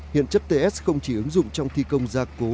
hiện chất ts không chỉ ứng dụng trong thi công gia cố